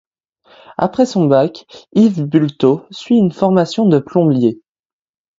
Après son bac, Yves Bulteau suit une formation de plombier.